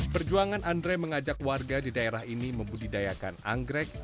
perjuangan andre mengajak warga di daerah ini membudidayakan anggrek